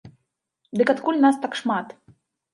Дык адкуль нас так шмат?